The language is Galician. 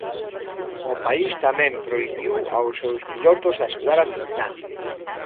O país tamén prohibiu aos seus pilotos axudar a Finlandia.